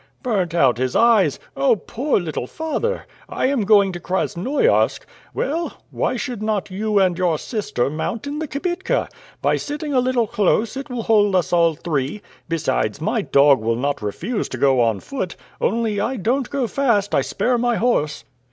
"Burnt out his eyes! Oh! poor little father! I am going to Krasnoiarsk. Well, why should not you and your sister mount in the kibitka? By sitting a little close, it will hold us all three. Besides, my dog will not refuse to go on foot; only I don't go fast, I spare my horse."